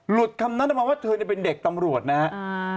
หลุดคำนั้นเพราะว่าเธอเป็นเด็กตำรวจนะครับ